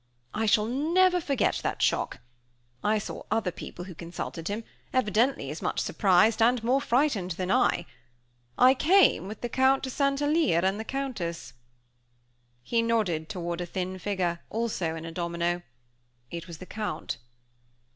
I shall never forget that shock. I saw other people who consulted him, evidently as much surprised and more frightened than I. I came with the Count de St. Alyre and the Countess." He nodded toward a thin figure, also in a domino. It was the Count.